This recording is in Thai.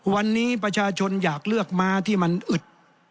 วันนี้ประชาชนอยากเลือกม้าที่มันอึด